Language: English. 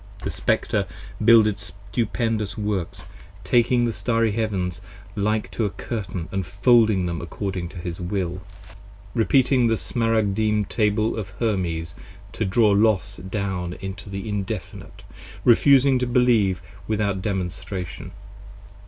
The Spectre builded stupendous Works, taking the Starry Heavens Like to a curtain & folding them according to his will, Repeating the Smaragdine Table of Hermes to draw Los down 35 Into the Indefinite, refusing to believe without demonstration.